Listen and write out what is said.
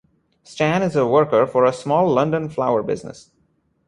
Stan is a worker for a small London flower business.